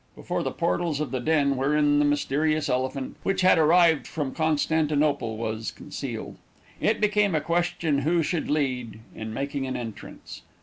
before the portals of the den wherein the mysterious elephant, which had arrived from Constantinople, was concealed. It became a question who should lead in making an entrance.